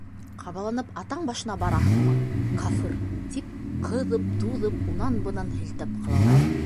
Ҡабаланып, атаң башына бараһыңмы, кафыр, - тип ҡыҙып-туҙып, унан-бынан һелтәп ҡалалар.